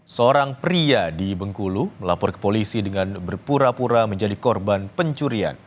seorang pria di bengkulu melapor ke polisi dengan berpura pura menjadi korban pencurian